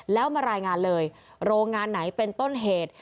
แล้วมารายงานเลยโรงงานไหนเป็นต้นเหตุ